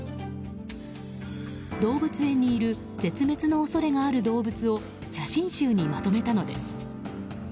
動物園にいる絶滅の恐れがある動物を写真集にまとめたのです。